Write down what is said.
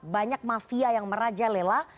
banyak mafia yang meraja lela